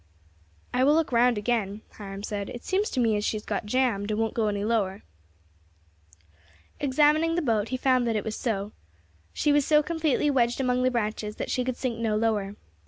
"I will look round again," Hiram said; "it seems to me as she has got jammed, and won't go any lower." Examining the boat, he found that it was so; she was so completely wedged among the branches that she could sink no lower.